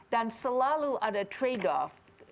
dan selalu ada trade off